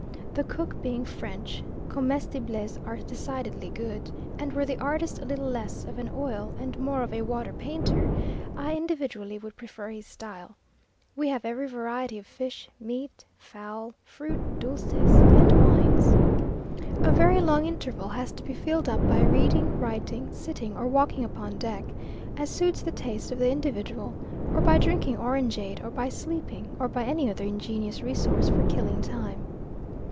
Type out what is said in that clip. The cook being French, the comestibles are decidedly good, and were the artist a little less of an oil, and more of a water painter, I individually would prefer his style. We have every variety of fish, meat, fowl, fruit, dulces, and wines. A very long interval has to be filled up by reading, writing, sitting, or walking upon deck, as suits the taste of the individual, or by drinking orangeade, or by sleeping, or by any other ingenious resource for killing time.